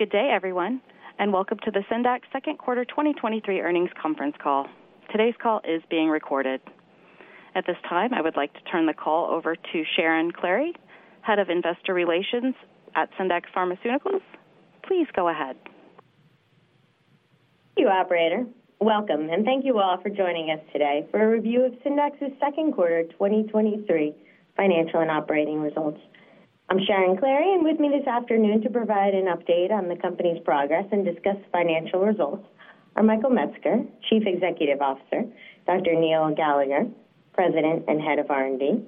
Good day, everyone, and welcome to the Syndax Second Quarter 2023 Earnings Conference Call. Today's call is being recorded. At this time, I would like to turn the call over to Sharon Clary, Head of Investor Relations at Syndax Pharmaceuticals. Please go ahead. Thank you, operator. Welcome, and thank you all for joining us today for a review of Syndax's Second Quarter 2023 financial and operating results. I'm Sharon Clary, and with me this afternoon to provide an update on the company's progress and discuss financial results are Michael Metzger, Chief Executive Officer, Dr. Neil Gallagher, President and Head of R&D,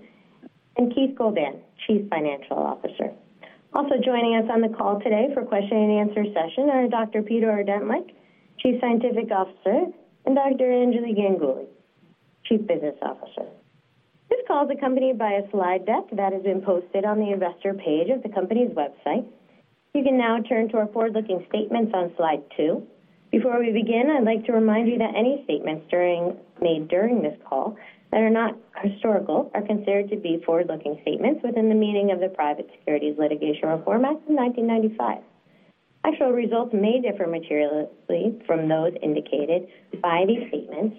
and Keith Goldan, Chief Financial Officer. Also joining us on the call today for question and answer session are Dr. Peter Ordentlich, Chief Scientific Officer, and Dr. Anjali Ganguli, Chief Business Officer. This call is accompanied by a slide deck that has been posted on the investor page of the company's website. You can now turn to our forward-looking statements on slide two. Before we begin, I'd like to remind you that any statements made during this call that are not historical are considered to be forward-looking statements within the meaning of the Private Securities Litigation Reform Act of 1995. Actual results may differ materially from those indicated by these statements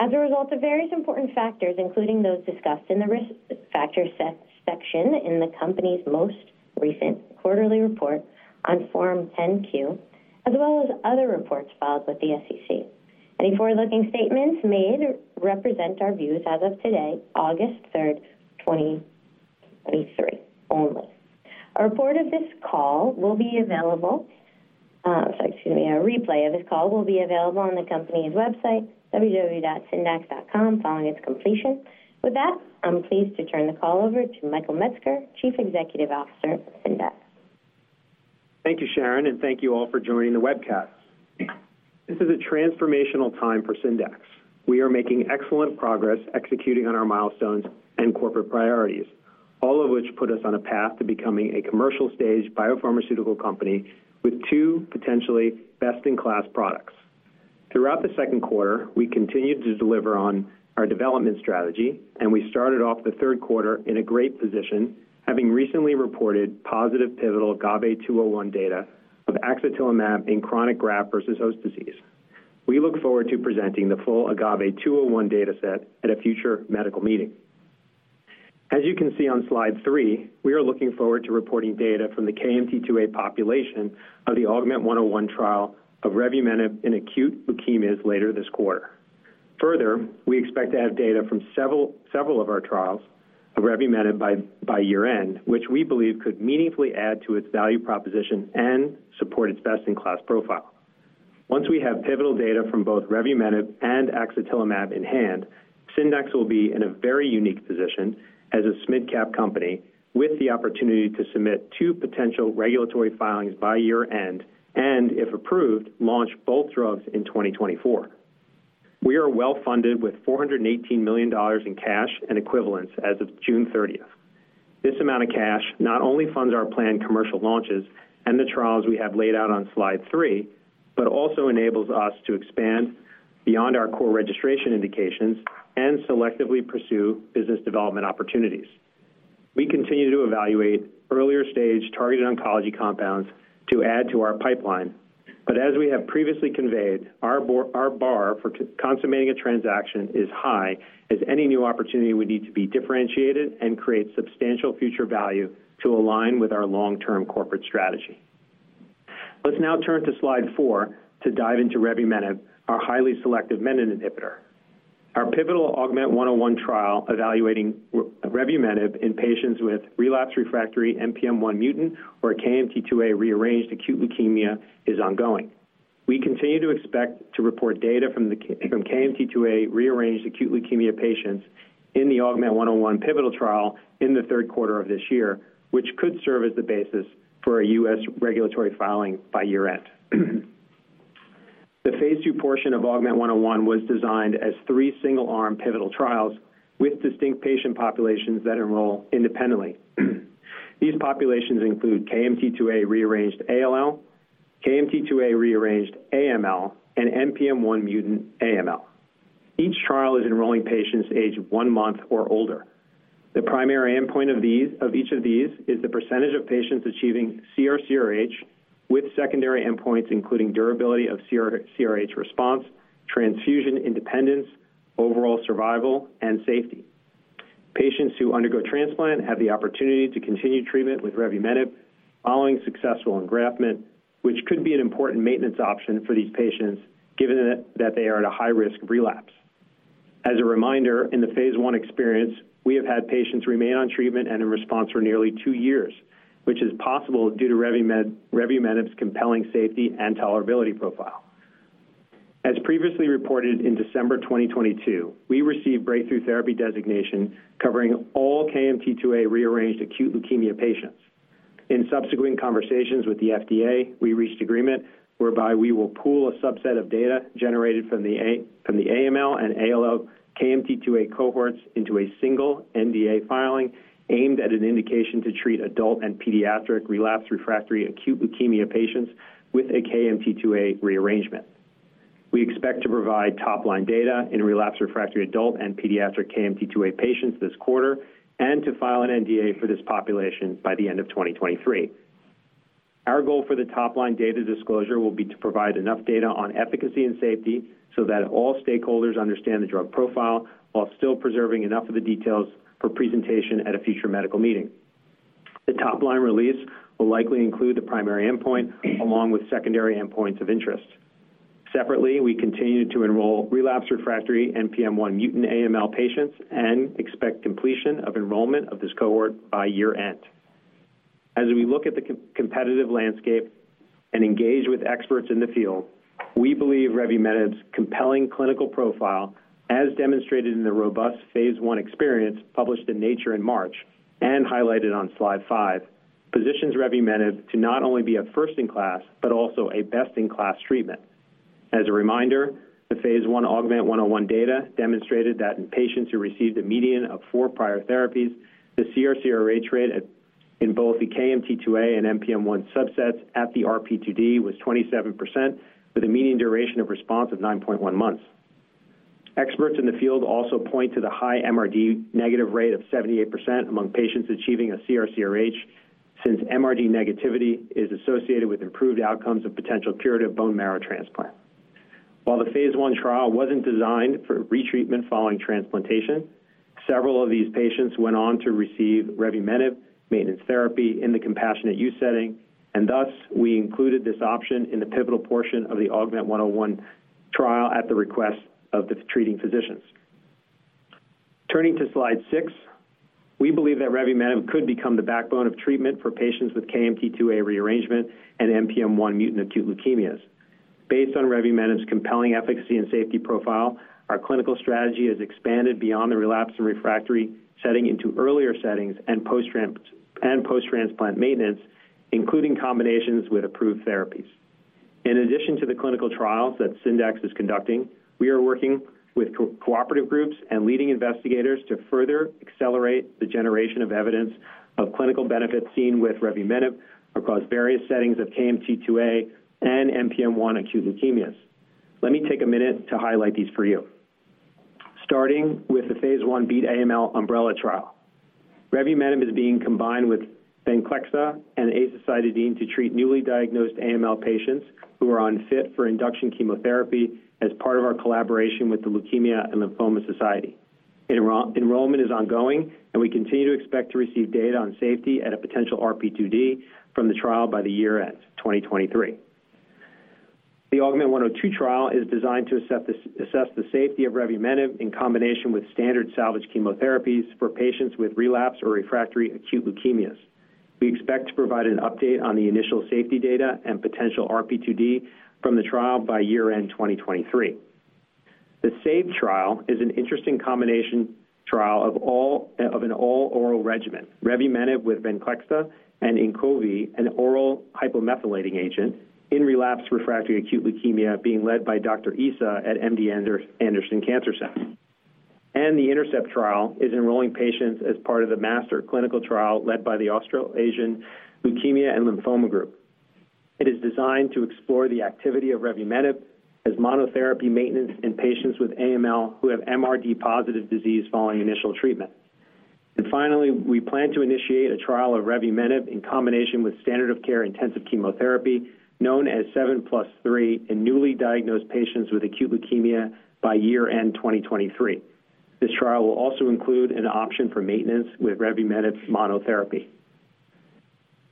as a result of various important factors, including those discussed in the Risk Factors section in the company's most recent quarterly report on Form 10-Q, as well as other reports filed with the SEC. Any forward-looking statements made represent our views as of today, August 3, 2023, only. A report of this call will be available, excuse me, a replay of this call will be available on the company's website, www.syndax.com, following its completion. With that, I'm pleased to turn the call over to Michael Metzger, Chief Executive Officer of Syndax. Thank you, Sharon. Thank you all for joining the webcast. This is a transformational time for Syndax. We are making excellent progress executing on our milestones and corporate priorities, all of which put us on a path to becoming a commercial-stage biopharmaceutical company with two potentially best-in-class products. Throughout the second quarter, we continued to deliver on our development strategy, and we started off the third quarter in a great position, having recently reported positive pivotal AGAVE-201 data of axatilimab in chronic graft-versus-host disease. We look forward to presenting the full AGAVE-201 data set at a future medical meeting. As you can see on slide three, we are looking forward to reporting data from the KMT2A population of the AUGMENT-101 trial of revumenib in acute leukemias later this quarter. Further, we expect to have data from several of our trials of revumenib by year-end, which we believe could meaningfully add to its value proposition and support its best-in-class profile. Once we have pivotal data from both revumenib and axatilimab in hand, Syndax will be in a very unique position as a mid-cap company with the opportunity to submit two potential regulatory filings by year-end, and if approved, launch both drugs in 2024. We are well-funded with $418 million in cash and equivalents as of June 30th. This amount of cash not only funds our planned commercial launches and the trials we have laid out on slide three, but also enables us to expand beyond our core registration indications and selectively pursue business development opportunities. We continue to evaluate earlier-stage targeted oncology compounds to add to our pipeline, As we have previously conveyed, our bar for consummating a transaction is high, as any new opportunity would need to be differentiated and create substantial future value to align with our long-term corporate strategy. Let's now turn to slide four to dive into revumenib, our highly selective menin inhibitor. Our pivotal AUGMENT-101 trial evaluating revumenib in patients with relapsed/refractory NPM1-mutant or KMT2A-rearranged acute leukemia is ongoing. We continue to expect to report data from KMT2A-rearranged acute leukemia patients in the AUGMENT-101 pivotal trial in the third quarter of this year, which could serve as the basis for a U.S. regulatory filing by year-end. The phase II portion of AUGMENT-101 was designed as three single-arm pivotal trials with distinct patient populations that enroll independently. These populations include KMT2A-rearranged ALL, KMT2A-rearranged AML, and NPM1-mutant AML. Each trial is enrolling patients aged 1 month or older. The primary endpoint of each of these is the % of patients achieving CR/CRh, with secondary endpoints including durability of CR/CRh response, transfusion independence, overall survival, and safety. Patients who undergo transplant have the opportunity to continue treatment with revumenib following successful engraftment, which could be an important maintenance option for these patients, given that they are at a high risk of relapse. As a reminder, in the phase I experience, we have had patients remain on treatment and in response for nearly two years, which is possible due to revumenib's compelling safety and tolerability profile. As previously reported in December 2022, we received breakthrough therapy designation covering all KMT2A-rearranged acute leukemia patients. In subsequent conversations with the FDA, we reached agreement whereby we will pool a subset of data generated from the AML and ALL KMT2A cohorts into a single NDA filing aimed at an indication to treat adult and pediatric relapsed/refractory acute leukemia patients with a KMT2A rearrangement. We expect to provide top-line data in relapsed/refractory adult and pediatric KMT2A patients this quarter, and to file an NDA for this population by the end of 2023. Our goal for the top-line data disclosure will be to provide enough data on efficacy and safety so that all stakeholders understand the drug profile, while still preserving enough of the details for presentation at a future medical meeting. The top-line release will likely include the primary endpoint, along with secondary endpoints of interest. Separately, we continue to enroll relapsed/refractory NPM1-mutant AML patients and expect completion of enrollment of this cohort by year-end. As we look at the competitive landscape and engage with experts in the field, we believe revumenib's compelling clinical profile, as demonstrated in the robust phase 1 experience published in Nature in March and highlighted on slide five, positions revumenib to not only be a first-in-class, but also a best-in-class treatment. As a reminder, the phase 1 AUGMENT-101 data demonstrated that in patients who received a median of four prior therapies, the CR/CRh rate at, in both the KMT2A and NPM1 subsets at the RP2D was 27%, with a median duration of response of 9.1 months. Experts in the field also point to the high MRD negative rate of 78% among patients achieving a CR/CRh, since MRD negativity is associated with improved outcomes of potential curative bone marrow transplant. While the phase 1 trial wasn't designed for retreatment following transplantation, several of these patients went on to receive revumenib maintenance therapy in the compassionate use setting, and thus, we included this option in the pivotal portion of the AUGMENT-101 trial at the request of the treating physicians. Turning to Slide six, we believe that revumenib could become the backbone of treatment for patients with KMT2A rearrangement and NPM1-mutant acute leukemias. Based on revumenib's compelling efficacy and safety profile, our clinical strategy has expanded beyond the relapsed/refractory setting into earlier settings and post-transplant maintenance, including combinations with approved therapies. In addition to the clinical trials that Syndax is conducting, we are working with cooperative groups and leading investigators to further accelerate the generation of evidence of clinical benefits seen with revumenib across various settings of KMT2A and NPM1 acute leukemias. Let me take a minute to highlight these for you. Starting with the phase I BEAT-AML umbrella trial. Revumenib is being combined with Venclexa and azacitidine to treat newly diagnosed AML patients who are unfit for induction chemotherapy as part of our collaboration with the Leukemia & Lymphoma Society. Enrollment is ongoing, and we continue to expect to receive data on safety at a potential RP2D from the trial by the year-end 2023. The AUGMENT-102 trial is designed to assess the safety of revumenib in combination with standard salvage chemotherapies for patients with relapsed or refractory acute leukemias. We expect to provide an update on the initial safety data and potential RP2D from the trial by year-end 2023. The SAVE trial is an interesting combination trial of an all-oral regimen, revumenib with Venclexta and ANCHOVY, an oral hypomethylating agent in relapsed/refractory acute leukemia, being led by Dr. Issa at MD Anderson Cancer Center. The INTERCEPT trial is enrolling patients as part of the master clinical trial led by the Australasian Leukemia and Lymphoma Group. It is designed to explore the activity of revumenib as monotherapy maintenance in patients with AML who have MRD positive disease following initial treatment. Finally, we plan to initiate a trial of revumenib in combination with standard of care intensive chemotherapy, known as seven seven + three, in newly diagnosed patients with acute leukemia by year-end 2023. This trial will also include an option for maintenance with revumenib's monotherapy.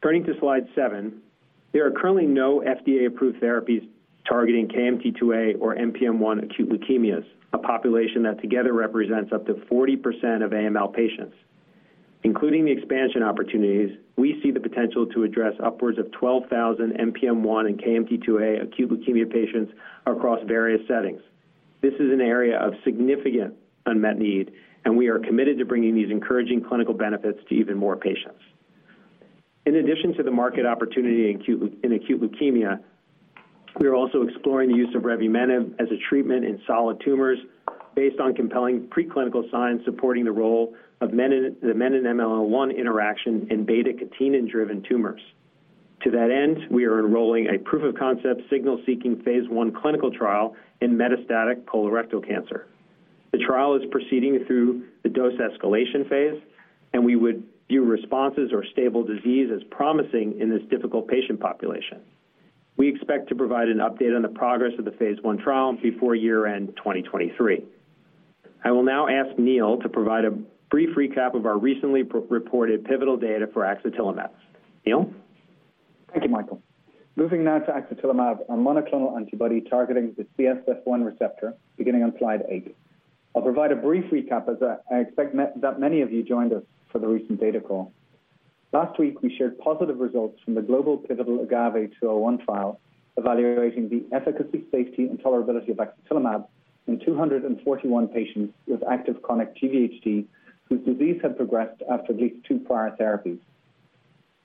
Turning to Slide seven, there are currently no FDA-approved therapies targeting KMT2A or NPM1 acute leukemias, a population that together represents up to 40% of AML patients. Including the expansion opportunities, we see the potential to address upwards of 12,000 NPM1 and KMT2A acute leukemia patients across various settings. This is an area of significant unmet need. We are committed to bringing these encouraging clinical benefits to even more patients. In addition to the market opportunity in acute leukemia, we are also exploring the use of revumenib as a treatment in solid tumors based on compelling preclinical signs supporting the role of menin, the menin-MLL1 interaction in beta-catenin-driven tumors. To that end, we are enrolling a proof-of-concept, signal-seeking phase I clinical trial in metastatic colorectal cancer. The trial is proceeding through the dose escalation phase. We would view responses or stable disease as promising in this difficult patient population. We expect to provide an update on the progress of the phase 1 trial before year-end 2023. I will now ask Neil to provide a brief recap of our recently reported pivotal data for axatilimab. Neil? Thank you, Michael. Moving now to axatilimab, a monoclonal antibody targeting the CSF-1R, beginning on slide eight. I'll provide a brief recap, as I expect that many of you joined us for the recent data call. Last week, we shared positive results from the global pivotal AGAVE-201 trial, evaluating the efficacy, safety, and tolerability of axatilimab in 241 patients with active chronic GVHD, whose disease had progressed after at least two prior therapies.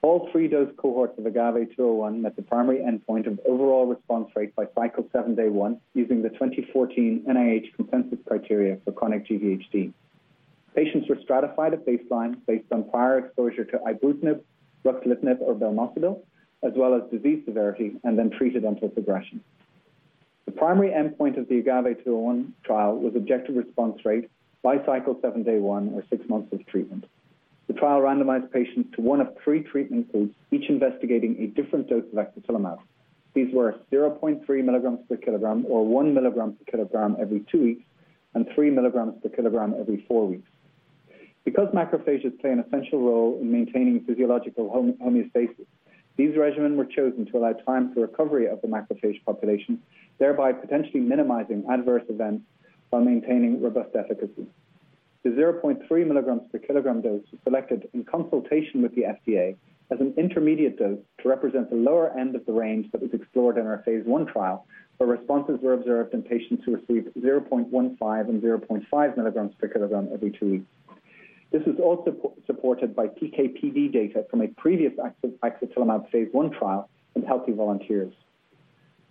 All three dose cohorts of AGAVE-201 met the primary endpoint of overall response rate by Cycle 7, Day 1, using the 2014 NIH consensus criteria for chronic GVHD. Patients were stratified at baseline based on prior exposure to ibrutinib, ruxolitinib, or venetoclax, as well as disease severity, and then treated until progression. The primary endpoint of the AGAVE-201 trial was objective response rate by cycle seven, day one, or six months of treatment. The trial randomized patients to one of three treatment groups, each investigating a different dose of axatilimab. These were 0.3 mg/kg or 1 mg/kg every two weeks, and 3 mg/kg every four weeks. Because macrophages play an essential role in maintaining physiological homeostasis, these regimen were chosen to allow time for recovery of the macrophage population, thereby potentially minimizing adverse events while maintaining robust efficacy. The 0.3 mg/kg dose was selected in consultation with the FDA as an intermediate dose to represent the lower end of the range that was explored in our phase I trial, where responses were observed in patients who received 0.15 and 0.5 mg/kg every two weeks. This is also supported by PK/PD data from a previous axatilimab phase I trial in healthy volunteers.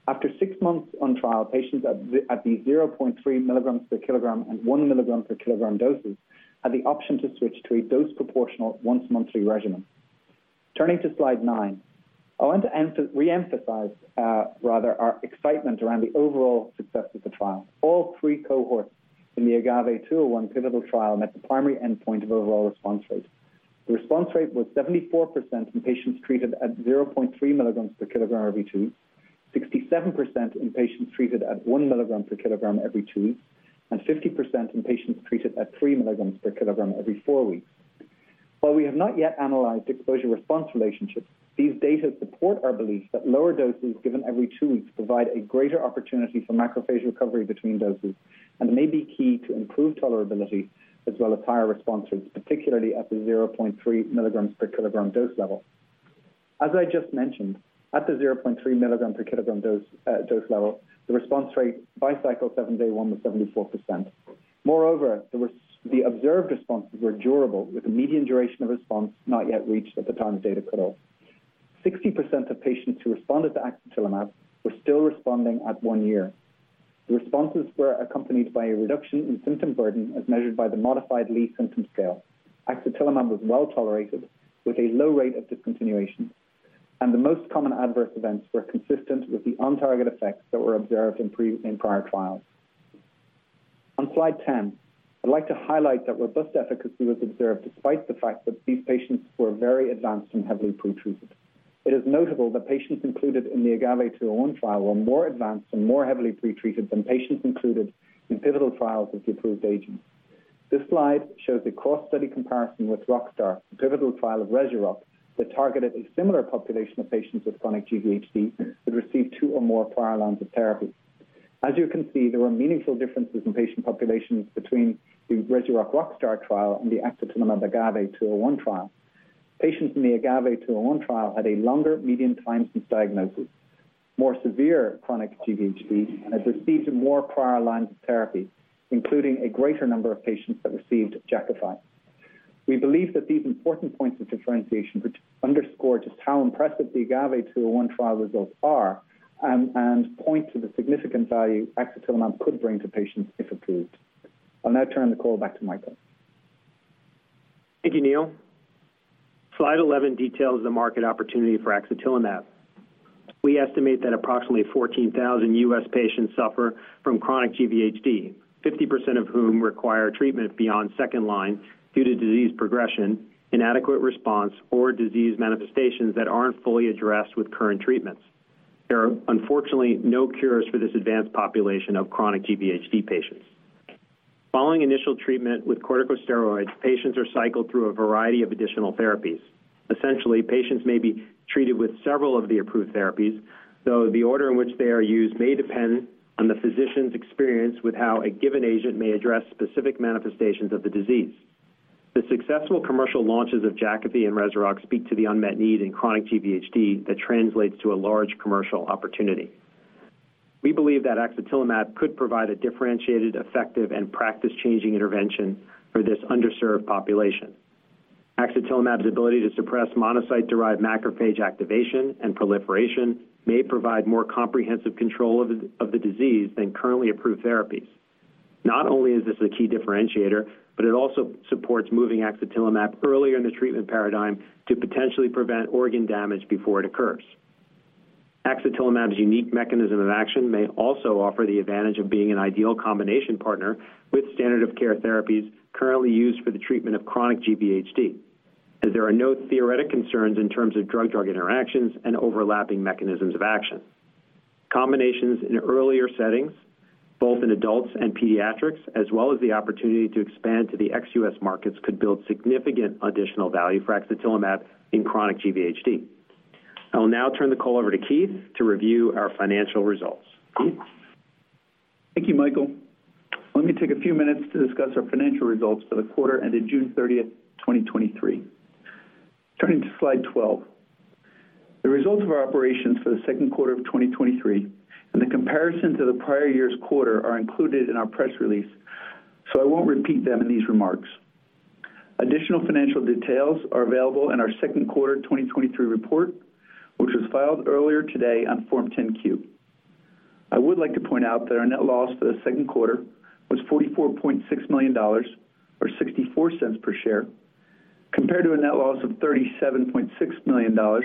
After 6 months on trial, patients at the 0.3 mg/kg and 1 mg/kg doses had the option to switch to a dose-proportional, once-monthly regimen. Turning to slide nine. I want to reemphasize, rather, our excitement around the overall success of the trial. All three cohorts in the AGAVE-201 pivotal trial met the primary endpoint of overall response rate. The response rate was 74% in patients treated at 0.3 mg/kg every 2, 67% in patients treated at 1 mg/kg every two weeks, and 50% in patients treated at 3 mg/kg every four weeks. While we have not yet analyzed exposure-response relationships, these data support our belief that lower doses given every two weeks provide a greater opportunity for macrophage recovery between doses and may be key to improved tolerability as well as higher response rates, particularly at the 0.3 mg/kg dose level. As I just mentioned, at the 0.3mg/kg dose, dose level, the response rate by cycle 7, day 1, was 74%. Moreover, the observed responses were durable, with a median duration of response not yet reached at the time of data cutoff. 60% of patients who responded to axatilimab were still responding at 1 year. The responses were accompanied by a reduction in symptom burden, as measured by the Modified Lee Symptom Scale. Axatilimab was well tolerated, with a low rate of discontinuation, and the most common adverse events were consistent with the on-target effects that were observed in prior trials. On Slide 10, I'd like to highlight that robust efficacy was observed despite the fact that these patients were very advanced and heavily pretreated. It is notable that patients included in the AGAVE-201 trial were more advanced and more heavily pretreated than patients included in pivotal trials of the approved agents. This slide shows a cross-study comparison with ROCKSTAR, the pivotal trial of Revuforj, that targeted a similar population of patients with chronic GVHD that received two or more prior lines of therapy. As you can see, there were meaningful differences in patient populations between the Revuforj ROCKSTAR trial and the axatilimab AGAVE 201 trial. Patients in the AGAVE 201 trial had a longer median time since diagnosis, more severe chronic GVHD, and had received more prior lines of therapy, including a greater number of patients that received Jakafi. We believe that these important points of differentiation, which underscore just how impressive the AGAVE 201 trial results are, and point to the significant value axatilimab could bring to patients if approved. I'll now turn the call back to Michael. Thank you, Neil. Slide 11 details the market opportunity for axatilimab. We estimate that approximately 14,000 U.S. patients suffer from chronic GVHD, 50% of whom require treatment beyond second line due to disease progression, inadequate response, or disease manifestations that aren't fully addressed with current treatments. There are, unfortunately, no cures for this advanced population of chronic GVHD patients. Following initial treatment with corticosteroids, patients are cycled through a variety of additional therapies. Essentially, patients may be treated with several of the approved therapies, though the order in which they are used may depend on the physician's experience with how a given agent may address specific manifestations of the disease. The successful commercial launches of Jakafi and Revuforj speak to the unmet need in chronic GVHD that translates to a large commercial opportunity. We believe that axatilimab could provide a differentiated, effective, and practice-changing intervention for this underserved population. Axatilimab's ability to suppress monocyte-derived macrophage activation and proliferation may provide more comprehensive control of the disease than currently approved therapies. Not only is this a key differentiator, but it also supports moving axatilimab earlier in the treatment paradigm to potentially prevent organ damage before it occurs. Axatilimab's unique mechanism of action may also offer the advantage of being an ideal combination partner with standard-of-care therapies currently used for the treatment of chronic GVHD, as there are no theoretic concerns in terms of drug-drug interactions and overlapping mechanisms of action. Combinations in earlier settings, both in adults and pediatrics, as well as the opportunity to expand to the ex-U.S. markets, could build significant additional value for axatilimab in chronic GVHD. I will now turn the call over to Keith to review our financial results. Keith? Thank you, Michael. Let me take a few minutes to discuss our financial results for the quarter ended June 30th, 2023. Turning to slide 12. The results of our operations for the second quarter of 2023 and the comparison to the prior year's quarter are included in our press release, so I won't repeat them in these remarks. Additional financial details are available in our second quarter 2023 report, which was filed earlier today on Form 10-Q.... I would like to point out that our net loss for the second quarter was $44.6 million, or $0.64 per share, compared to a net loss of $37.6 million, or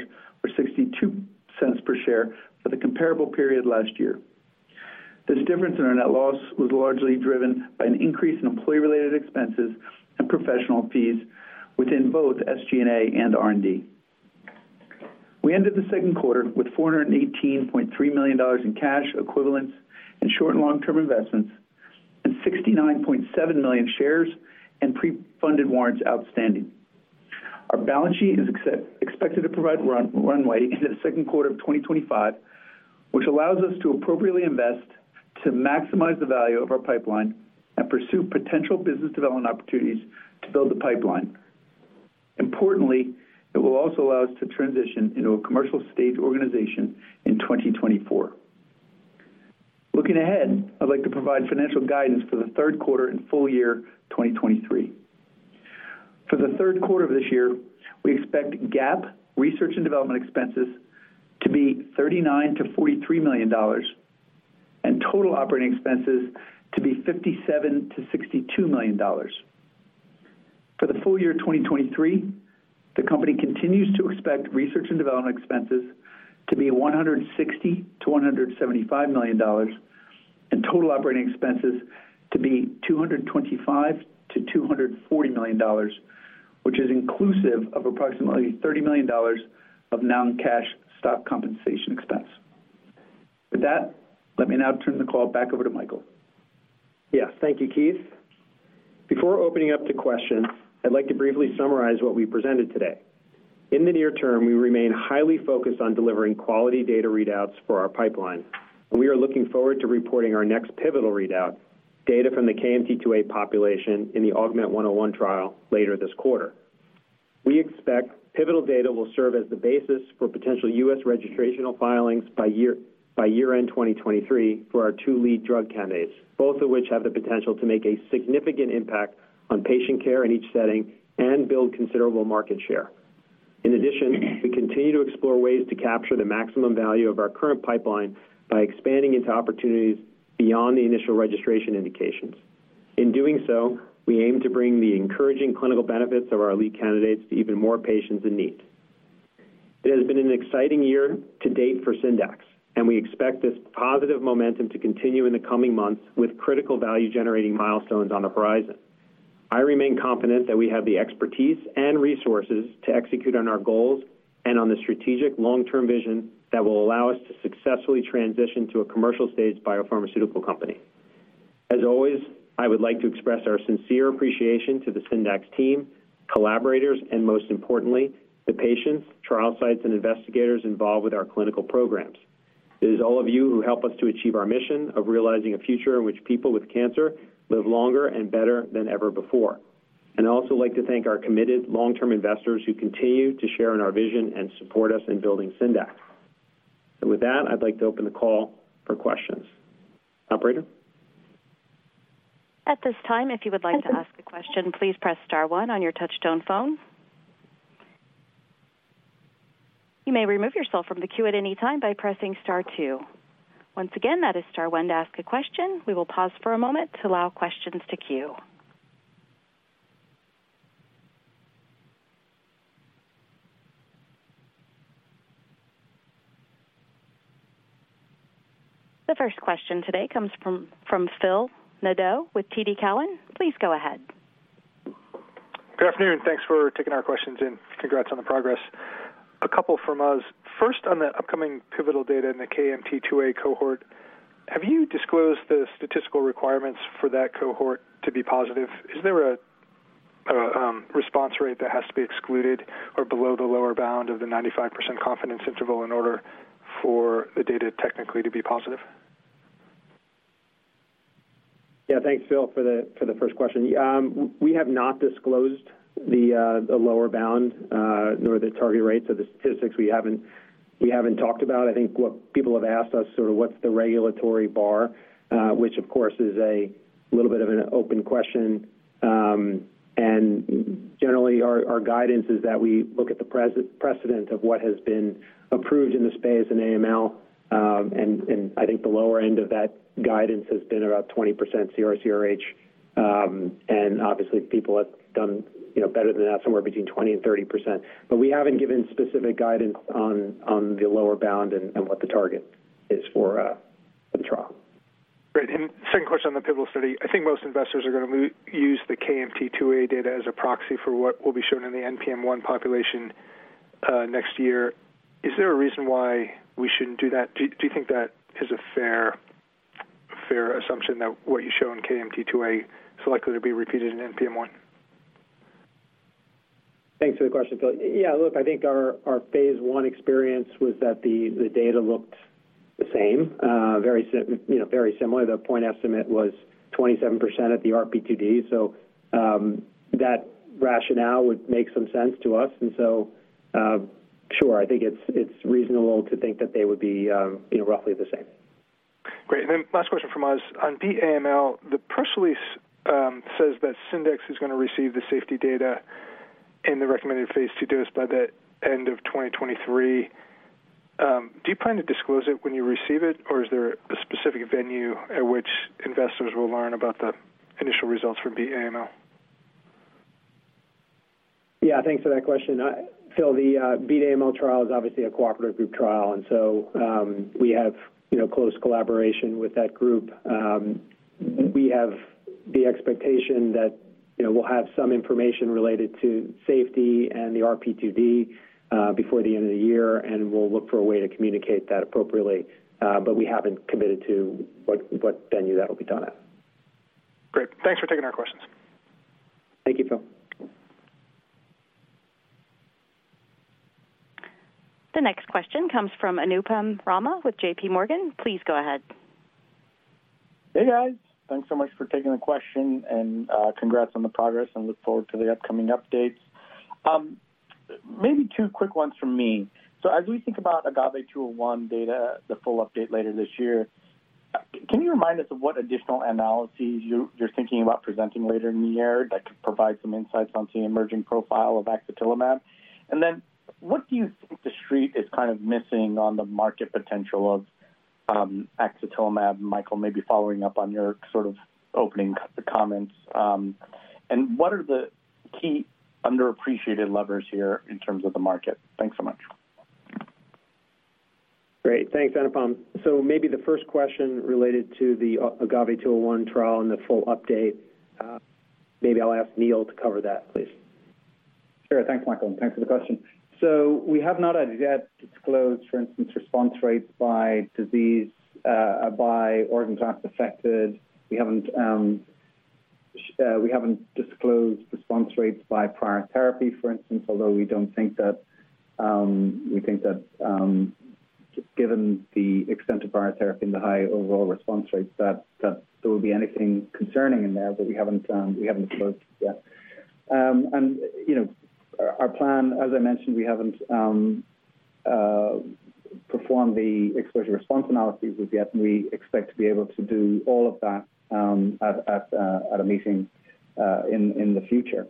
$0.62 per share, for the comparable period last year. This difference in our net loss was largely driven by an increase in employee-related expenses and professional fees within both SG&A and R&D. We ended the second quarter with $418.3 million in cash equivalents in short and long-term investments, and 69.7 million shares and pre-funded warrants outstanding. Our balance sheet is expected to provide runway into the second quarter of 2025, which allows us to appropriately invest to maximize the value of our pipeline and pursue potential business development opportunities to build the pipeline. Importantly, it will also allow us to transition into a commercial-stage organization in 2024. Looking ahead, I'd like to provide financial guidance for the third quarter and full year 2023. For the third quarter of this year, we expect GAAP research and development expenses to be $39 million-$43 million, and total operating expenses to be $57 million-$62 million. For the full year 2023, the company continues to expect research and development expenses to be $160 million-$175 million, and total operating expenses to be $225 million-$240 million, which is inclusive of approximately $30 million of non-cash stock compensation expense. With that, let me now turn the call back over to Michael. Yeah. Thank you, Keith. Before opening up to questions, I'd like to briefly summarize what we presented today. In the near term, we remain highly focused on delivering quality data readouts for our pipeline, and we are looking forward to reporting our next pivotal readout, data from the KMT2A population in the AUGMENT-101 trial later this quarter. We expect pivotal data will serve as the basis for potential U.S. registrational filings by year-end 2023 for our two lead drug candidates, both of which have the potential to make a significant impact on patient care in each setting and build considerable market share. In addition, we continue to explore ways to capture the maximum value of our current pipeline by expanding into opportunities beyond the initial registration indications. In doing so, we aim to bring the encouraging clinical benefits of our lead candidates to even more patients in need. It has been an exciting year to date for Syndax, and we expect this positive momentum to continue in the coming months with critical value-generating milestones on the horizon. I remain confident that we have the expertise and resources to execute on our goals and on the strategic long-term vision that will allow us to successfully transition to a commercial-stage biopharmaceutical company. As always, I would like to express our sincere appreciation to the Syndax team, collaborators, and most importantly, the patients, trial sites, and investigators involved with our clinical programs. It is all of you who help us to achieve our mission of realizing a future in which people with cancer live longer and better than ever before. I'd also like to thank our committed long-term investors who continue to share in our vision and support us in building Syndax. With that, I'd like to open the call for questions. Operator? At this time, if you would like to ask a question, please press star one on your touchtone phone. You may remove yourself from the queue at any time by pressing star two. Once again, that is star one to ask a question. We will pause for a moment to allow questions to queue. The first question today comes from Phil Nadeau with TD Cowen. Please go ahead. Good afternoon. Thanks for taking our questions, and congrats on the progress. A couple from us. First, on the upcoming pivotal data in the KMT2A cohort, have you disclosed the statistical requirements for that cohort to be positive? Is there a, a, response rate that has to be excluded or below the lower bound of the 95% confidence interval in order for the data technically to be positive? Yeah, thanks, Phil, for the, for the first question. We have not disclosed the lower bound, nor the target rates or the statistics. We haven't, we haven't talked about. I think what people have asked us sort of what's the regulatory bar, which, of course, is a little bit of an open question. Generally, our guidance is that we look at the precedent of what has been approved in the space in AML, and I think the lower end of that guidance has been about 20% CR/CRh, and obviously, people have done, you know, better than that, somewhere between 20% and 30%. We haven't given specific guidance on the lower bound and what the target is for the trial. Great. Second question on the pivotal study. I think most investors are gonna use the KMT2A data as a proxy for what will be shown in the NPM1 population, next year. Is there a reason why we shouldn't do that? Do you think that is a fair, fair assumption that what you show in KMT2A is likely to be repeated in NPM1? Thanks for the question, Phil. Yeah, look, I think our, our phase I experience was that the, the data looked the same, you know, very similar. The point estimate was 27% at the RP2D. That rationale would make some sense to us. Sure, I think it's, it's reasonable to think that they would be, you know, roughly the same. Great. Last question from us. On BEAT AML, the press release says that Syndax is gonna receive the safety data... in the recommended phase II dose by the end of 2023, do you plan to disclose it when you receive it, or is there a specific venue at which investors will learn about the initial results from BEAT AML? Yeah, thanks for that question. The BEAT AML trial is obviously a cooperative group trial, and so, we have, you know, close collaboration with that group. We have the expectation that, you know, we'll have some information related to safety and the RP2D before the end of the year, and we'll look for a way to communicate that appropriately, but we haven't committed to what, what venue that'll be done at. Great. Thanks for taking our questions. Thank you, Phil. The next question comes from Anupam Rama with JPMorgan. Please go ahead. Hey, guys. Thanks so much for taking the question, and congrats on the progress, and look forward to the upcoming updates. Maybe two quick ones from me. As we think about AGAVE-201 data, the full update later this year, can you remind us of what additional analyses you're thinking about presenting later in the year that could provide some insights on the emerging profile of axatilimab? Then, what do you think the Street is kind of missing on the market potential of axatilimab, Michael, maybe following up on your sort of opening comments, and what are the key underappreciated levers here in terms of the market? Thanks so much. Great. Thanks, Anupam. Maybe the first question related to the AGAVE-201 trial and the full update, maybe I'll ask Neil to cover that, please. Sure. Thanks, Michael, and thanks for the question. We have not as yet disclosed, for instance, response rates by disease, by organ class affected. We haven't, we haven't disclosed response rates by prior therapy, for instance, although we don't think that, we think that, given the extent of prior therapy and the high overall response rates, that, that there will be anything concerning in there, but we haven't, we haven't disclosed yet. You know, our, our plan, as I mentioned, we haven't performed the exposure response analyses as yet, and we expect to be able to do all of that at a meeting in the future.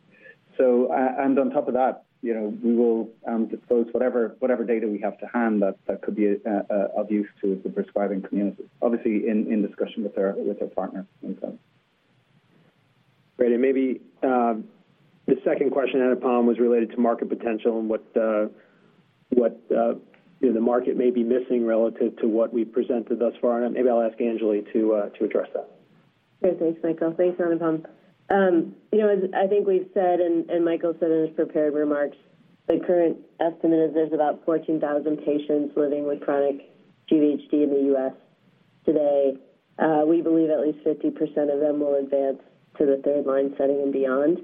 On top of that, you know, we will disclose whatever, whatever data we have to hand that, that could be of use to the prescribing community, obviously, in discussion with our, with our partner, Info. Great. Maybe, the second question, Anupam, was related to market potential and what, what, you know, the market may be missing relative to what we've presented thus far, and maybe I'll ask Anjali to, to address that. Sure. Thanks, Michael. Thanks, Anupam. you know, as I think we've said, and Michael said in his prepared remarks, the current estimate is there's about 14,000 patients living with chronic GVHD in the U.S. today. We believe at least 50% of them will advance to the third-line setting and beyond.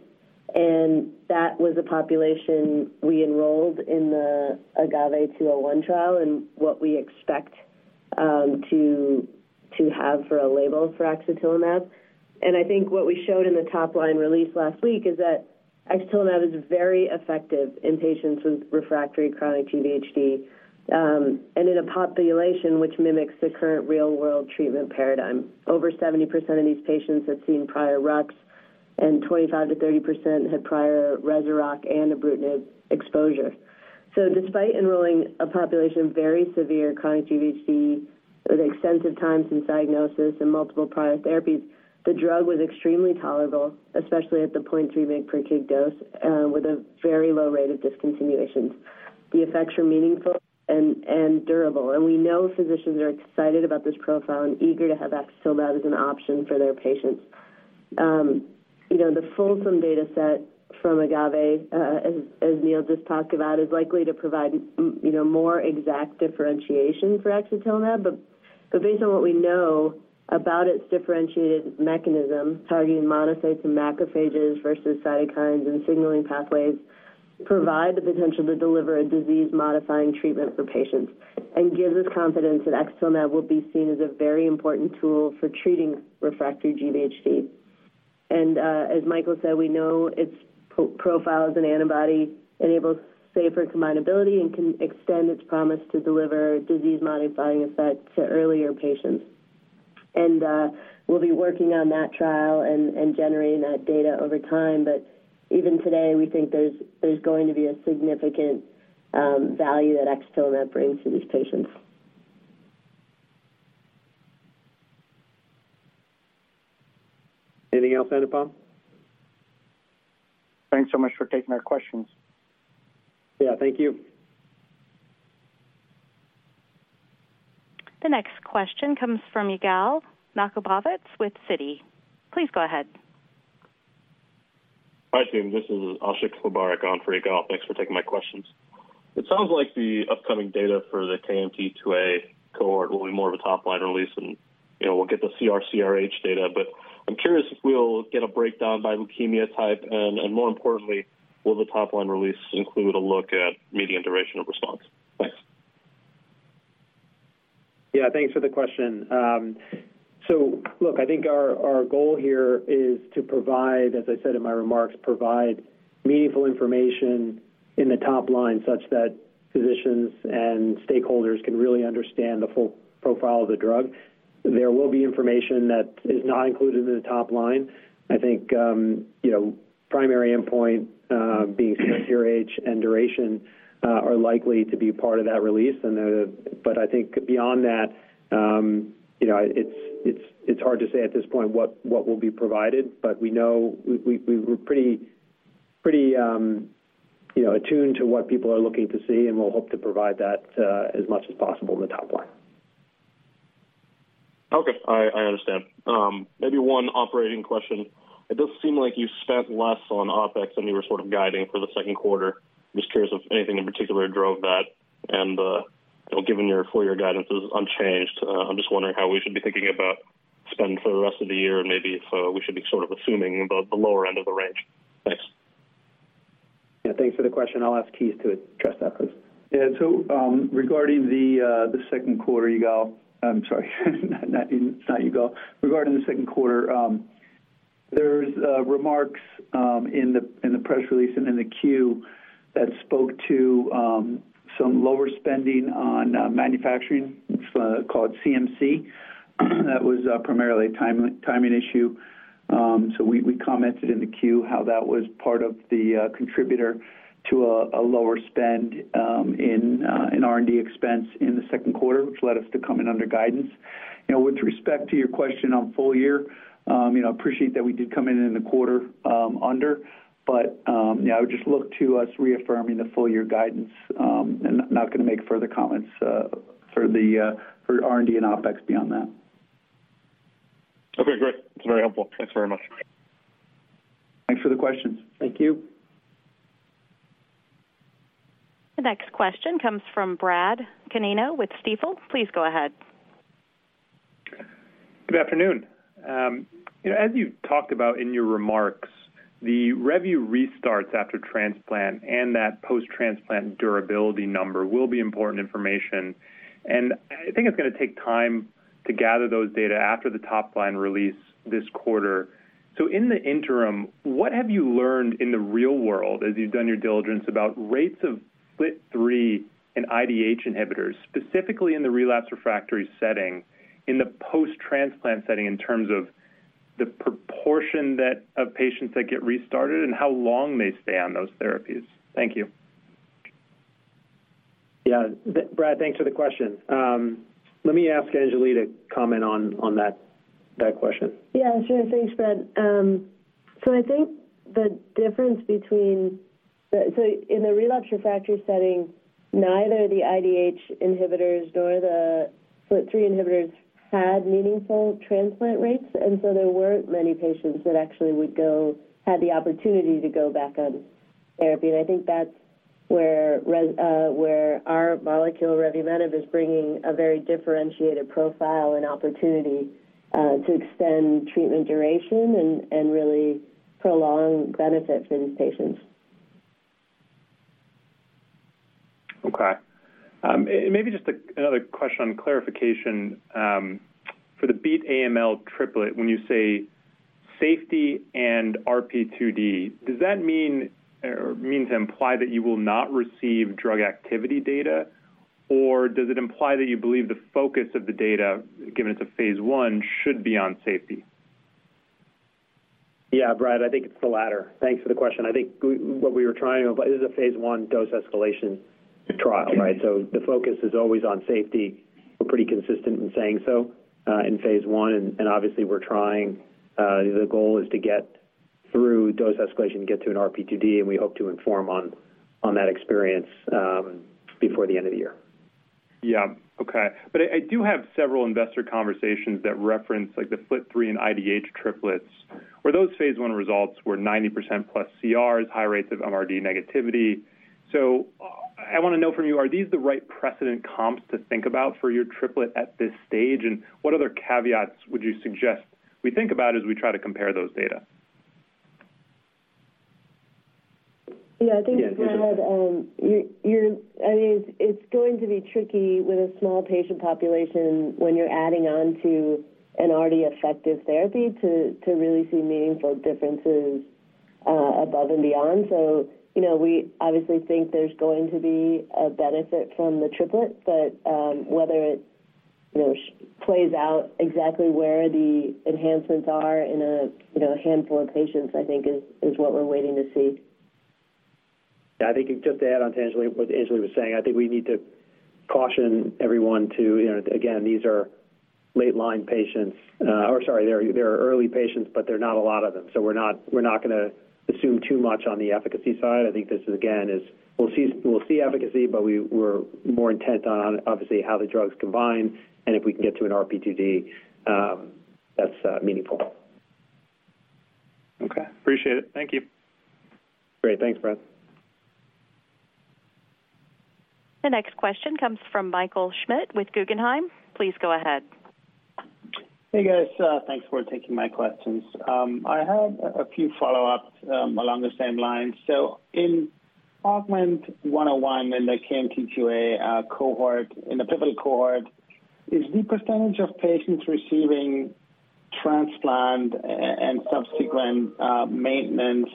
That was a population we enrolled in the AGAVE-201 trial, and what we expect to have for a label for axatilimab. I think what we showed in the top-line release last week is that axatilimab is very effective in patients with refractory chronic GVHD, and in a population which mimics the current real-world treatment paradigm. Over 70% of these patients had seen prior RUX, and 25%-30% had prior Revuforj and ibrutinib exposure. Despite enrolling a population of very severe chronic GVHD, with extensive times in diagnosis and multiple prior therapies, the drug was extremely tolerable, especially at the 0.3 mg per kg dose, with a very low rate of discontinuations. The effects are meaningful and, and durable, and we know physicians are excited about this profile and eager to have axatilimab as an option for their patients. You know, the fulsome data set from AGAVE, as, as Neil just talked about, is likely to provide you know, more exact differentiation for axatilimab. Based on what we know about its differentiated mechanism, targeting monocytes and macrophages versus cytokines and signaling pathways, provide the potential to deliver a disease-modifying treatment for patients and gives us confidence that axatilimab will be seen as a very important tool for treating refractory GVHD. As Michael said, we know its profile as an antibody enables safer combinability and can extend its promise to deliver disease-modifying effects to earlier patients. We'll be working on that trial and, and generating that data over time, but even today, we think there's, there's going to be a significant value that axatilimab brings to these patients. Anything else, Anupam? Thanks so much for taking our questions. Yeah, thank you. The next question comes from Yigal Nochomovits with Citi. Please go ahead. Hi, team. This is Ashiq Mubarack on for Yigal. Thanks for taking my questions. It sounds like the upcoming data for the KMT2A cohort will be more of a top-line release, and, you know, we'll get the CR/CRh data. I'm curious if we'll get a breakdown by leukemia type, and more importantly, will the top-line release include a look at median duration of response? Thanks. Yeah, thanks for the question. Look, I think our, our goal here is to provide, as I said in my remarks, provide meaningful information in the top line, such that physicians and stakeholders can really understand the full profile of the drug. There will be information that is not included in the top line. I think, you know, primary endpoint, being CRH and duration, are likely to be part of that release. I think beyond that, you know, it's, it's, it's hard to say at this point what, what will be provided, but we know we, we, we're pretty, pretty, you know, attuned to what people are looking to see, and we'll hope to provide that as much as possible in the top line. Okay, I, I understand. Maybe one operating question. It does seem like you spent less on OpEx than you were sort of guiding for the second quarter. I'm just curious if anything in particular drove that, and, you know, given your full year guidance is unchanged, I'm just wondering how we should be thinking about spend for the rest of the year, and maybe if, we should be sort of assuming about the lower end of the range. Thanks. Yeah, thanks for the question. I'll ask Keith to address that please. Yeah, regarding the, the second quarter, Yigal... I'm sorry, not Yigal. Regarding the second quarter, there's remarks in the, in the press release and in the Q that spoke to some lower spending on manufacturing, it's called CMC. That was primarily a timing issue. We, we commented in the Q how that was part of the contributor to a lower spend in R&D expense in the second quarter, which led us to come in under guidance. You know, with respect to your question on full year, you know, I appreciate that we did come in in the quarter, under. Yeah, I would just look to us reaffirming the full year guidance, and not gonna make further comments for the for R&D and OpEx beyond that. Okay, great. That's very helpful. Thanks very much. Thanks for the questions. Thank you. The next question comes from Brad Canino with Stifel. Please go ahead. Good afternoon. You know, as you talked about in your remarks, the REvu restarts after transplant and that post-transplant durability number will be important information, and I think it's gonna take time to gather those data after the top-line release this quarter. In the interim, what have you learned in the real world as you've done your diligence about rates of FLT3 and IDH inhibitors, specifically in the relapsed/refractory setting, in the post-transplant setting, in terms of the proportion that of patients that get restarted and how long they stay on those therapies? Thank you. Yeah. Brad, thanks for the question. Let me ask Anjali to comment on that question. Yeah, sure. Thanks, Brad. I think the difference between the... in the relapse refractory setting, neither the IDH inhibitors nor the FLT3 inhibitors had meaningful transplant rates, and so there weren't many patients that actually would go, have the opportunity to go back on therapy. I think that's where where our molecule, revumenib, is bringing a very differentiated profile and opportunity to extend treatment duration and, and really prolong benefit for these patients. Okay. Maybe just a, another question on clarification, for the BEAT-AML triplet, when you say safety and RP2D, does that mean or mean to imply that you will not receive drug activity data? Does it imply that you believe the focus of the data, given it's a phase I, should be on safety? Yeah, Brad, I think it's the latter. Thanks for the question. I think we, what we were trying to... This is a phase I dose escalation trial, right? The focus is always on safety. We're pretty consistent in saying so, in phase I, and, and obviously, we're trying, the goal is to get through dose escalation to get to an RP2D, and we hope to inform on, on that experience, before the end of the year. Yeah. Okay. I, I do have several investor conversations that reference, like, the FLT3 and IDH triplets, where those phase I results were 90% plus CRs, high rates of MRD negativity. I wanna know from you, are these the right precedent comps to think about for your triplet at this stage? What other caveats would you suggest we think about as we try to compare those data? Yeah, I think, Brad, you're, you're I mean, it's going to be tricky with a small patient population when you're adding on to an already effective therapy to, to really see meaningful differences, above and beyond. You know, we obviously think there's going to be a benefit from the triplet, but, whether it, you know, plays out exactly where the enhancements are in a, you know, a handful of patients, I think, is, is what we're waiting to see. Yeah, I think just to add on to Anjali, what Anjali was saying, I think we need to caution everyone to, you know, again, these are late-line patients, or sorry, they're, they are early patients, but they're not a lot of them, so we're not, we're not gonna assume too much on the efficacy side. I think this, again, is we'll see, we'll see efficacy, but we're more intent on, obviously, how the drugs combine, and if we can get to an RP2D, that's meaningful. Okay. Appreciate it. Thank you. Great. Thanks, Brad. The next question comes from Michael Schmidt with Guggenheim. Please go ahead. Hey, guys, thanks for taking my questions. I had a few follow-ups along the same lines. In AUGMENT-101, when the KMT2A cohort, in the pivotal cohort, is the percentage of patients receiving transplant and subsequent maintenance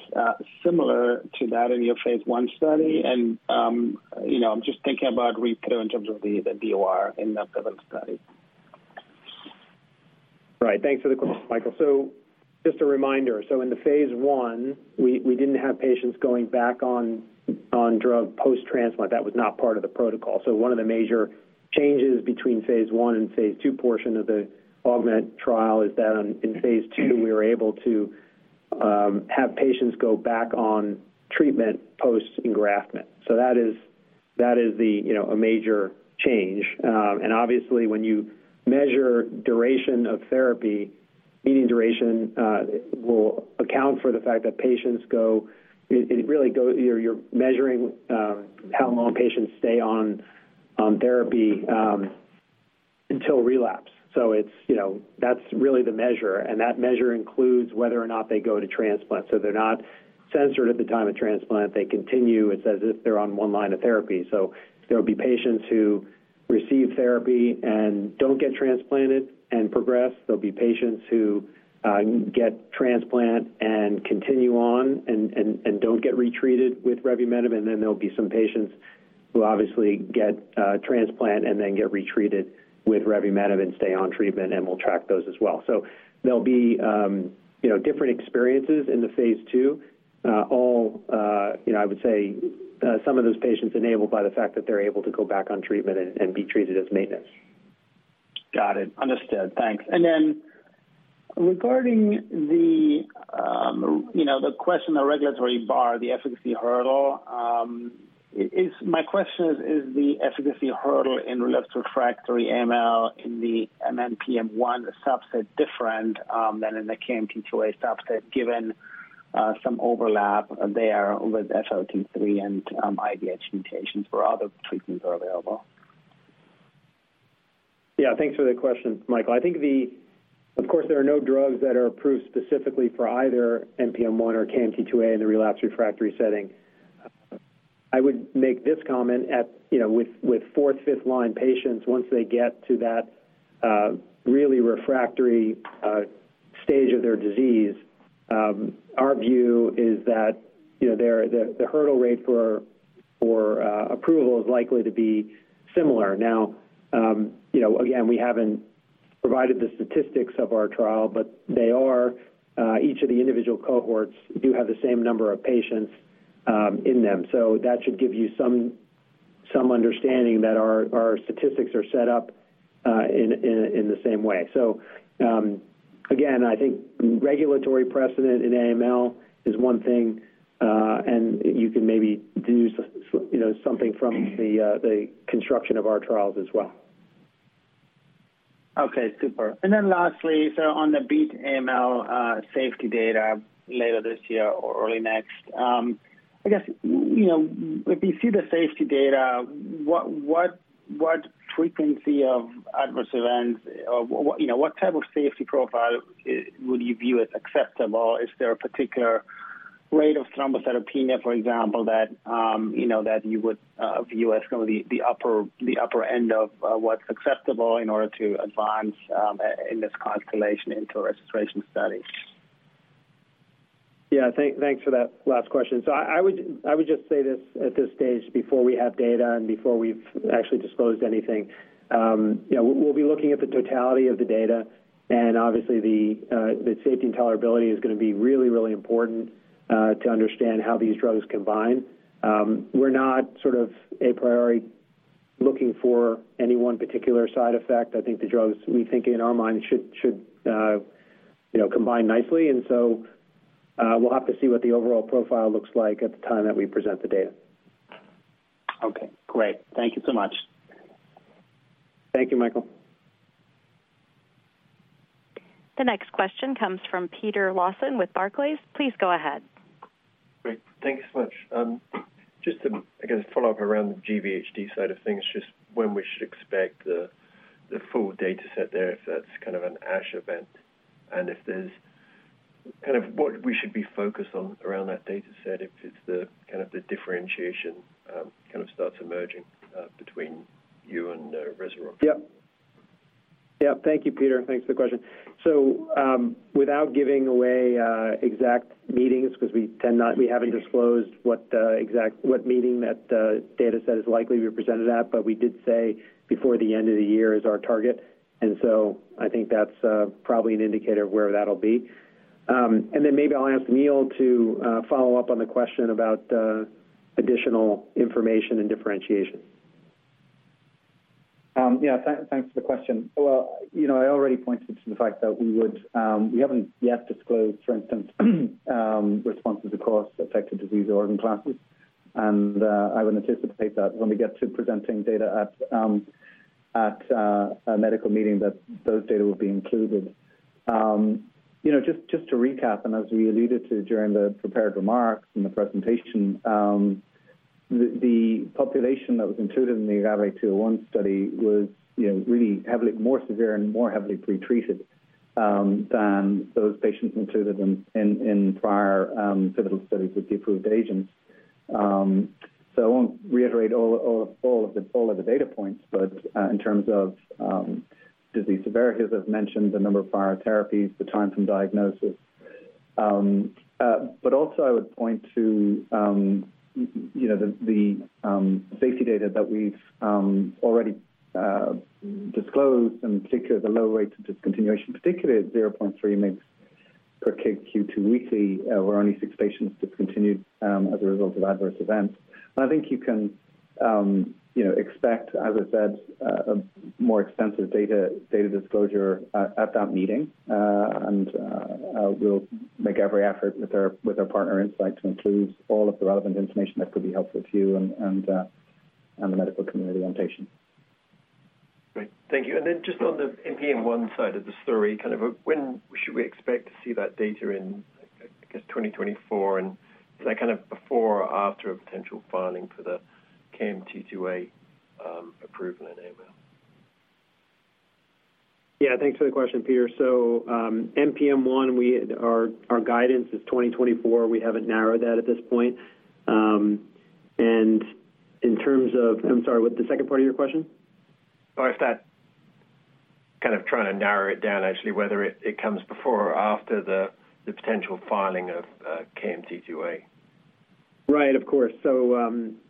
similar to that in your phase I experience? You know, I'm just thinking about REPO in terms of the DOR in the current study. Right. Thanks for the question, Michael. Just a reminder, in the phase I, we didn't have patients going back on, on drug post-transplant. That was not part of the protocol. One of the major changes between phase I and phase II portion of the AUGMENT trial is that on, in phase II, we were able to have patients go back on treatment post-engraftment. That is, that is the, you know, a major change. And obviously, when you measure duration of therapy, median duration will account for the fact that patients go you're, you're measuring how long patients stay on, on therapy until relapse. It's, you know, that's really the measure, and that measure includes whether or not they go to transplant. They're not censored at the time of transplant, they continue, it's as if they're on one line of therapy. There'll be patients who receive therapy and don't get transplanted and progress. There'll be patients who get transplant and continue on and, and, and don't get retreated with revumenib, and then there'll be some patients who obviously get transplant and then get retreated with revumenib and stay on treatment, and we'll track those as well. There'll be, you know, different experiences in the phase II, all, you know, I would say, some of those patients enabled by the fact that they're able to go back on treatment and, and be treated as maintenance. Got it. Understood. Thanks. Then regarding the, you know, the question, the regulatory bar, the efficacy hurdle, my question is, is the efficacy hurdle in relapsed refractory AML in the NPM1 subset different than in the KMT2A subset, given some overlap there with FLT3 and IDH mutations where other treatments are available? Yeah, thanks for the question, Michael. I think, of course, there are no drugs that are approved specifically for either NPM1 or KMT2A in the relapsed refractory setting. I would make this comment at, you know, with fourth, fifth line patients, once they get to that really refractory stage of their disease, our view is that, you know, the hurdle rate for approval is likely to be similar. Now, you know, again, we haven't provided the statistics of our trial, but they are each of the individual cohorts do have the same number of patients in them. That should give you some, some understanding that our, our statistics are set up in the same way. Again, I think regulatory precedent in AML is one thing, and you can maybe deduce, you know, something from the construction of our trials as well. Okay, super. Then lastly, on the BEAT AML, safety data later this year or early next, I guess, you know, if we see the safety data, what, what, what frequency of adverse events or w- what, you know, what type of safety profile i- would you view as acceptable? Is there a particular rate of thrombocytopenia, for example, that, you know, that you would view as kind of the, the upper, the upper end of, what's acceptable in order to advance, i- in this constellation into a registration study? Yeah, thank, thanks for that last question. I, I would, I would just say this at this stage, before we have data and before we've actually disclosed anything, you know, we'll, we'll be looking at the totality of the data, and obviously, the safety and tolerability is gonna be really, really important to understand how these drugs combine. We're not sort of a priority looking for any one particular side effect. I think the drugs, we think in our mind, should, should, you know, combine nicely, and so, we'll have to see what the overall profile looks like at the time that we present the data. Okay, great. Thank you so much. Thank you, Michael. The next question comes from Peter Lawson with Barclays. Please go ahead. Great. Thank you so much. Just to, I guess, follow up around the GVHD side of things, just when we should expect the, the full data set there, if that's kind of an ASH event, and if there's... kind of what we should be focused on around that data set, if it's the, kind of the differentiation, kind of starts emerging, between you and Revuforj? Yeah. Yeah, thank you, Peter. Thanks for the question. Without giving away exact meetings, 'cause we tend not-- we haven't disclosed what exact, what meeting that data set is likely to be presented at, but we did say before the end of the year is our target, and so I think that's probably an indicator of where that'll be. Maybe I'll ask Neil to follow up on the question about additional information and differentiation. Thanks for the question. Well, you know, I already pointed to the fact that we would, we haven't yet disclosed, for instance, responses across affected disease organ classes. I would anticipate that when we get to presenting data at a medical meeting, that those data will be included. You know, just, just to recap, and as we alluded to during the prepared remarks in the presentation, the, the population that was included in the AGAVE-201 study was, you know, really heavily more severe and more heavily pretreated than those patients included in, in, in prior pivotal studies with the approved agents. I won't reiterate all, all, all of the, all of the data points, but in terms of disease severity, as I've mentioned, the number of prior therapies, the time from diagnosis. Also I would point to, you know, the safety data that we've already disclosed, and in particular, the low rates of discontinuation, particularly at 0.3 mgs per kg Q2 weekly, where only six patients discontinued as a result of adverse events. I think you can, you know, expect, as I said, a more extensive data disclosure at that meeting. We'll make every effort with our partner, Incyte, to include all of the relevant information that could be helpful to you and the medical community on patients. Great. Thank you. Then just on the NPM1 side of the story, kind of, when should we expect to see that data in, I guess, 2024? Is that kind of before or after a potential filing for the KMT2A, approval in AML? Yeah, thanks for the question, Peter. NPM1, our guidance is 2024. We haven't narrowed that at this point. In terms of... I'm sorry, what's the second part of your question? Oh, if that kind of trying to narrow it down, actually, whether it, it comes before or after the, the potential filing of KMT2A. Right, of course.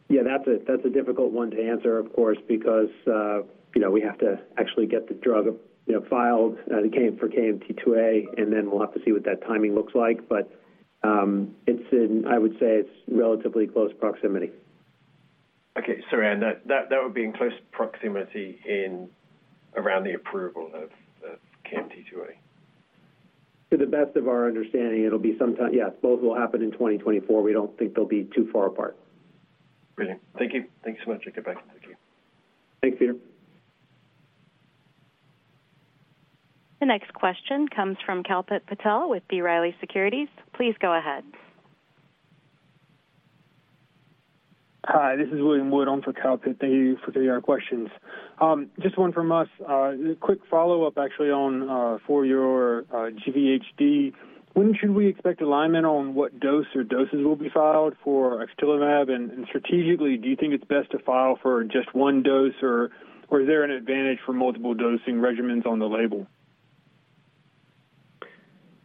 Yeah, that's a, that's a difficult one to answer, of course, because, you know, we have to actually get the drug, you know, filed for KMT2A, and then we'll have to see what that timing looks like. I would say it's relatively close proximity. Okay. Sorry. That, that, that would be in close proximity in around the approval of, of KMT2A? To the best of our understanding, it'll be sometime... Yeah, both will happen in 2024. We don't think they'll be too far apart. Brilliant. Thank you. Thanks so much. Okay, bye. Thank you. Thanks, Peter. The next question comes from Kalpit Patel with B. Riley Securities. Please go ahead. Hi, this is William Wood on for Kalpit. Thank you for taking our questions. Just one from us. Quick follow-up, actually, on for your GVHD. When should we expect alignment on what dose or doses will be filed for axatilimab? Strategically, do you think it's best to file for just one dose, or is there an advantage for multiple dosing regimens on the label?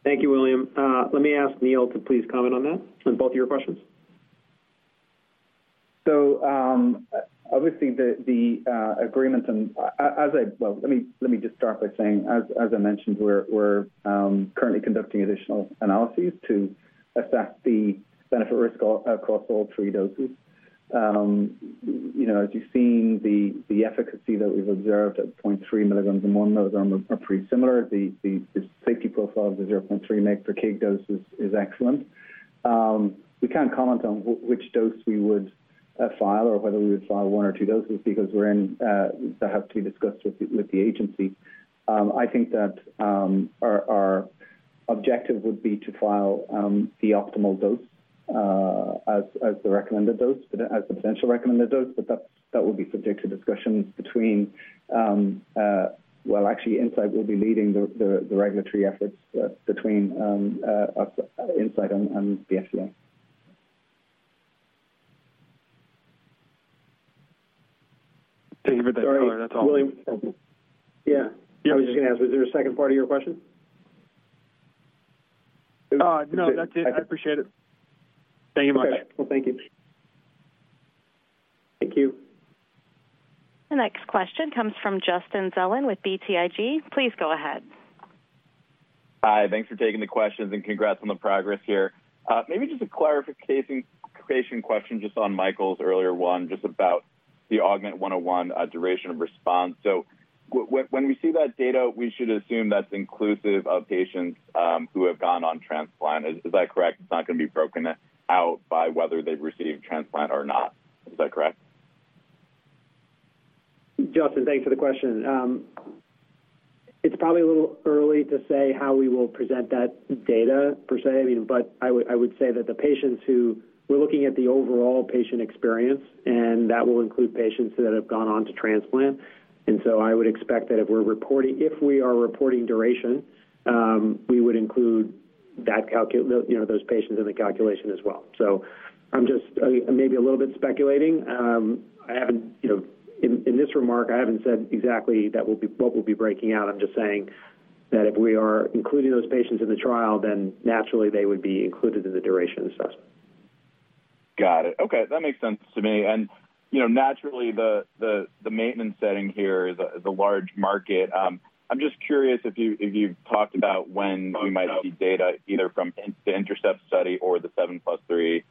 Thank you, William. Let me ask Neil to please comment on that, on both of your questions. Obviously, the, the agreement and well, let me, let me just start by saying, as I mentioned, we're currently conducting additional analyses to assess the benefit risk across all three doses. You know, as you've seen, the efficacy that we've observed at 0.3 mg and 1 mg are pretty similar. The safety profile of the 0.3 mg per kg dose is excellent. We can't comment on which dose we would file or whether we would file one or two doses because we're in to have to discuss with the, with the agency.I think that our objective would be to file the optimal dose as, as the recommended dose, but as the potential recommended dose, but that will be subject to discussions between. Well, actually, Insight will be leading the, the, the regulatory efforts between us, Insight and, and the FDA. Thank you for that clarity. That's all. William? Yeah. I was just going to ask, is there a second part of your question? No, that's it. I appreciate it. Thank you much. Well, thank you. Thank you. The next question comes from Justin Zelin with BTIG. Please go ahead. Hi, thanks for taking the questions, congrats on the progress here. Maybe just a clarification question just on Michael's earlier one, just about the AUGMENT-101, duration of response. When we see that data, we should assume that's inclusive of patients who have gone on transplant. Is that correct? It's not going to be broken out by whether they've received transplant or not. Is that correct? Justin, thanks for the question. It's probably a little early to say how we will present that data per se, but I would, I would say that the patients who-- we're looking at the overall patient experience, and that will include patients that have gone on to transplant. So I would expect that if we are reporting duration, we would include you know, those patients in the calculation as well. I'm just maybe a little bit speculating. I haven't, you know, in, in this remark, I haven't said exactly that what we'll be breaking out. I'm just saying that if we are including those patients in the trial, then naturally they would be included in the duration assessment. Got it. Okay, that makes sense to me. You know, naturally, the, the, the maintenance setting here is a, is a large market. I'm just curious if you, if you've talked about when we might see data either from the INTERCEPT study or the seven plus three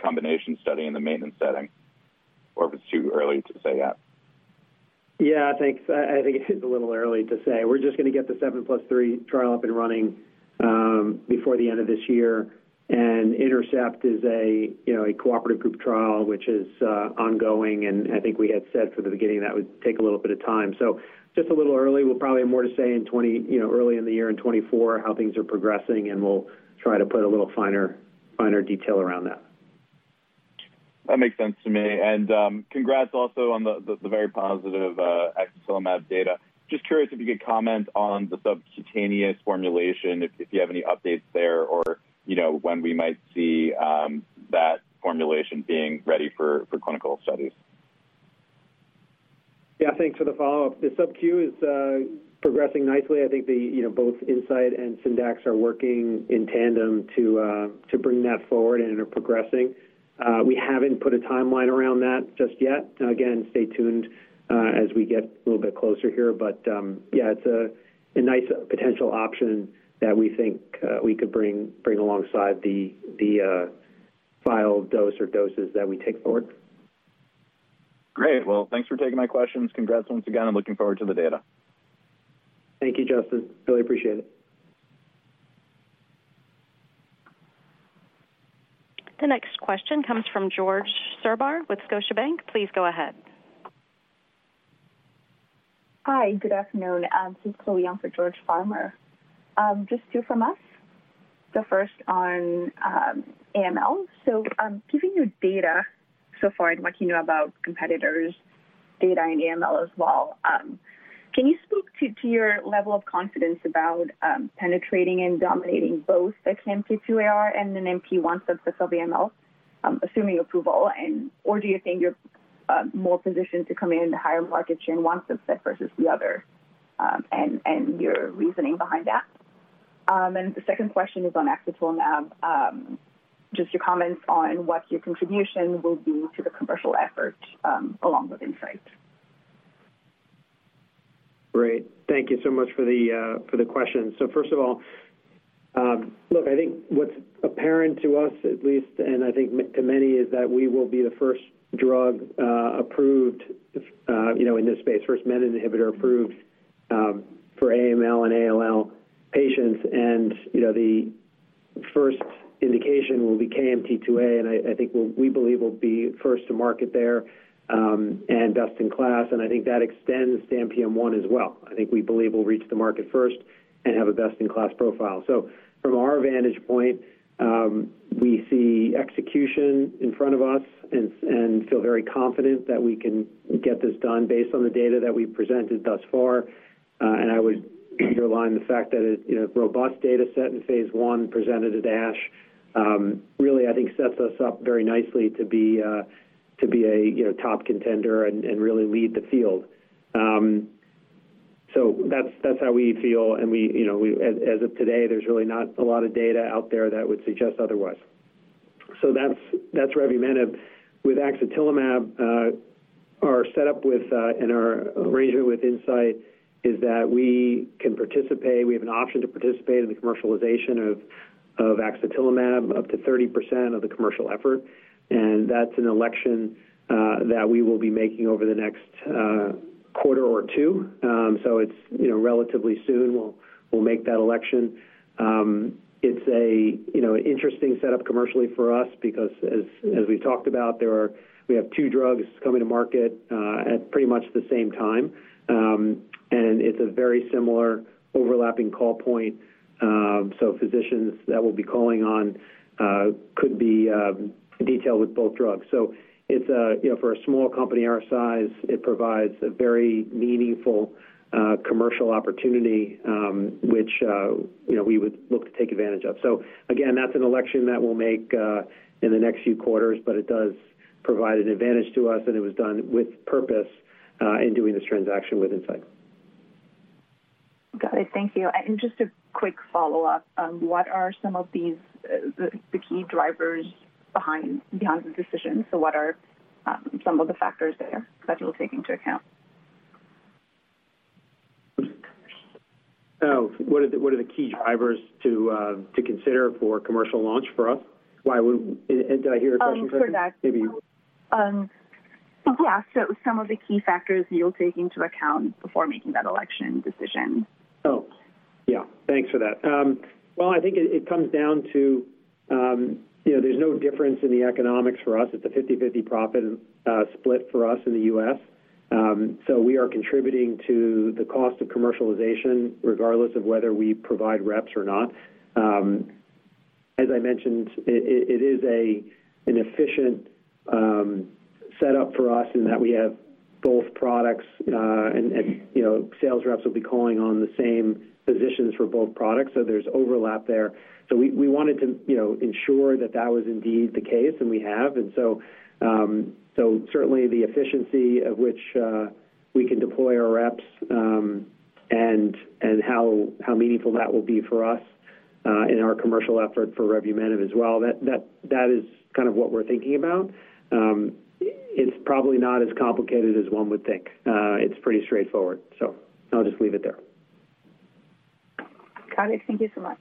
combination study in the maintenance setting, or if it's too early to say that? Yeah, I think, I think it is a little early to say. We're just going to get the seven plus three trial up and running, before the end of this year. INTERCEPT is a, you know, a cooperative group trial, which is, ongoing, and I think we had said from the beginning that would take a little bit of time. Just a little early. We'll probably have more to say in 20, you know, early in the year, in 2024, how things are progressing, and we'll try to put a little finer, finer detail around that. That makes sense to me. congrats also on the, the, the very positive axatilimab data. Just curious if you could comment on the subcutaneous formulation, if, if you have any updates there or, you know, when we might see that formulation being ready for, for clinical studies? Yeah, thanks for the follow-up. The subcu is progressing nicely. I think the, you know, both Insight and Syndax are working in tandem to bring that forward and are progressing. We haven't put a timeline around that just yet. Again, stay tuned as we get a little bit closer here. Yeah, it's a nice potential option that we think we could bring, bring alongside the, the final dose or doses that we take forward. Great. Well, thanks for taking my questions. Congrats once again. I'm looking forward to the data. Thank you, Justin. Really appreciate it. The next question comes from George Farmer with Scotiabank. Please go ahead. Hi, good afternoon. This is Chloe Young for George Farmer. Just two from us. The first on AML. Given your data so far and what you know about competitors' data in AML as well, can you speak to your level of confidence about penetrating and dominating both the KMT2AR and then NPM1 subset of AML, assuming approval, or do you think you're more positioned to come in at a higher market share in one subset versus the other, and your reasoning behind that? The second question is on axatilimab. Just your comments on what your contribution will be to the commercial effort along with Insight. Great. Thank you so much for the for the questions. First of all, look, I think what's apparent to us at least, and I think m- to many, is that we will be the first drug approved, you know, in this space, first menin inhibitor approved for AML and ALL patients. You know, the first indication will be KMT2A, and I, I think we, we believe will be first to market there and best-in-class, and I think that extends to NPM1 as well. I think we believe we'll reach the market first and have a best-in-class profile. From our vantage point, we see execution in front of us and, and feel very confident that we can get this done based on the data that we've presented thus far. I would underline the fact that a, you know, robust data set in phase I presented at ASH, really, I think, sets us up very nicely to be a, to be a, you know, top contender and, and really lead the field. That's, that's how we feel, and we, you know, we-- as, as of today, there's really not a lot of data out there that would suggest otherwise. That's, that's rebumenib. With axatilimab, our setup with, our arrangement with Insight is that we can participate, we have an option to participate in the commercialization of, of axatilimab, up to 30% of the commercial effort, and that's an election that we will be making over the next quarter or two. It's, you know, relatively soon we'll, we'll make that election. It's a, you know, interesting setup commercially for us because as, as we talked about, we have two drugs coming to market at pretty much the same time. It's a very similar overlapping call point. Physicians that we'll be calling on could be detailed with both drugs. It's a, you know, for a small company our size, it provides a very meaningful commercial opportunity, which, you know, we would look to take advantage of. Again, that's an election that we'll make in the next few quarters, but it does provide an advantage to us, and it was done with purpose in doing this transaction with Insight. Got it. Thank you. Just a quick follow-up. What are some of these, the, the key drivers behind, behind the decision? What are some of the factors there that you'll take into account? Oh, what are the key drivers to consider for commercial launch for us? Did I hear your question? for that. Maybe- Yeah. some of the key factors you'll take into account before making that election decision. Thanks for that. Well, I think it, it comes down to, you know, there's no difference in the economics for us. It's a 50/50 profit split for us in the U.S. We are contributing to the cost of commercialization, regardless of whether we provide reps or not. As I mentioned, it, it, it is an efficient setup for us in that we have both products, and, you know, sales reps will be calling on the same physicians for both products, so there's overlap there. We, we wanted to, you know, ensure that that was indeed the case, and we have. Certainly the efficiency at which we can deploy our reps, and how meaningful that will be for us in our commercial effort for revumenib as well, that, that, that is kind of what we're thinking about. It's probably not as complicated as one would think. It's pretty straightforward, so I'll just leave it there. Got it. Thank you so much.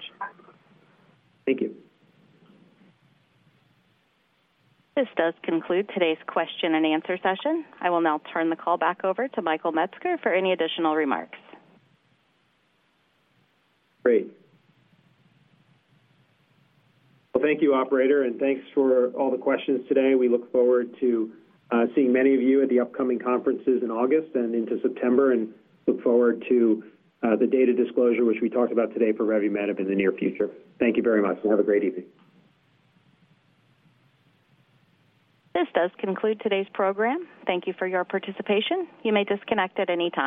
Thank you. This does conclude today's question and answer session. I will now turn the call back over to Michael Metzger for any additional remarks. Great. Well, thank you, operator, and thanks for all the questions today. We look forward to seeing many of you at the upcoming conferences in August and into September, and look forward to the data disclosure, which we talked about today for revumenib, in the near future. Thank you very much, and have a great evening. This does conclude today's program. Thank you for your participation. You may disconnect at any time.